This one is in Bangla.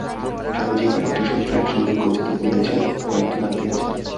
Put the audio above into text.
স্বামীজী কয়েকটি সূত্র একসঙ্গে গ্রথিত করিয়াছেন, কয়েকটি বাদ দিয়াছেন।